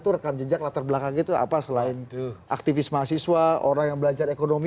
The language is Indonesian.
turkan jejak latar belakang itu apa selain tuh aktivis mahasiswa orang yang belajar ekonomi